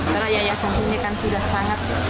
karena yayasan sini kan sudah sangat